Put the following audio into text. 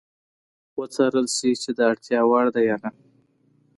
وڅارل شي چې د اړتیا وړ ده یا نه.